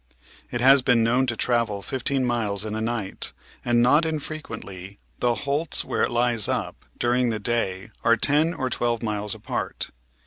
'* It has been known to travel fifteen miles in a night, and not infrequently the holts where it lies up during the day are ten or twelve miles apart.